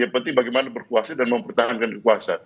yang penting bagaimana berkuasa dan mempertahankan kekuasaan